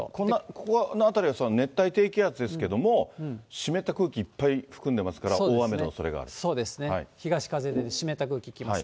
ここの辺りは、熱帯低気圧ですけれども、湿った空気、いっぱい含んでますから、そうですね、東風で、湿った空気来ます。